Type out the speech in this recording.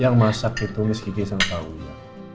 yang masak itu miss kiki yang tau ya